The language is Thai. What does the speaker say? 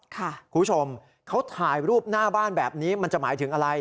คุณผู้ชมเขาถ่ายรูปหน้าบ้านแบบนี้มันจะหมายถึงอะไร